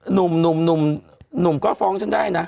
หนุ่มก็ฟ้องฉันได้นะ